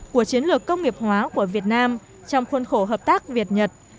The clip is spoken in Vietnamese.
của chiến lược công nghiệp hóa của việt nam trong khuôn khổ hợp tác việt nhật